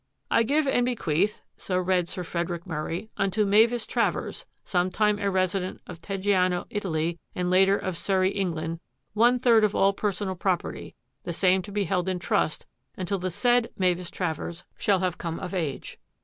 " I give and bequeath," so read Sir Frederick Murray, unto Mavis Travers, sometime a resi dent of Teggiano, Italy, and later of Surrey, England, one third of all personal property, the same to be held in trust until the said Mavis Travers shall have come of age."